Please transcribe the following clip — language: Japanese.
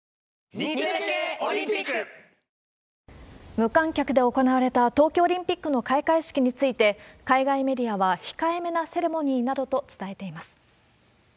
無観客で行われた東京オリンピックの開会式について、海外メディアは控えめなセレモニーなどと伝えています。